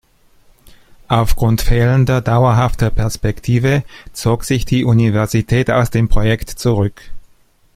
Aufgrund fehlender dauerhafter Perspektive zog sich die Universität aus dem Projekt zurück.